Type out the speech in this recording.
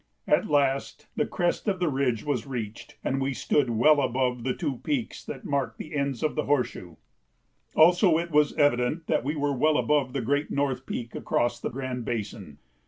At last the crest of the ridge was reached and we stood well above the two peaks that mark the ends of the horseshoe. Also it was evident that we were well above the great North Peak across the Grand Basin.